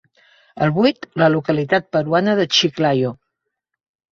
El vuit la localitat peruana de Chiclayo.